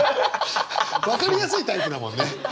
分かりやすいタイプだもんね！